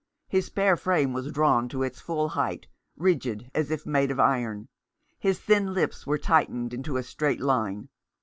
His spare frame was drawn to its full height, rigid as if made of iron. His thin lips were tightened into a straight line.